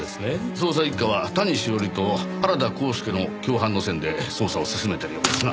捜査一課は谷志桜里と原田幸助の共犯の線で捜査を進めているようですな。